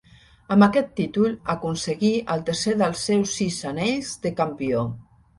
Amb aquest títol aconseguí el tercer dels seus sis anells de campió.